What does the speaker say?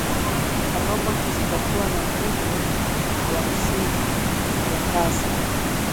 roboti zitakuwa na nguvu ya msingi ya kazi